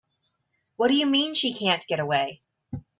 What do you mean she can't get away?